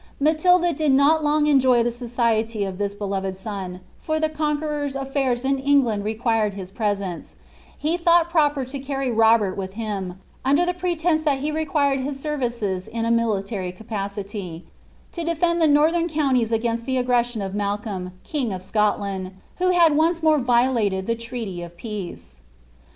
* MatUda did not long enjoy the society of this beloved son ; for iht Conqueror's a^rs in Zngland requiring hie presence, he thought propel to carry Robert with him, under the pretence that he reqtiir^ his ■c^ vices in a military capacity, to defend ihe northern counties against iba aggression of Malcolm, king of Scotland, who had once more vi^tul ' llie treaty of peace.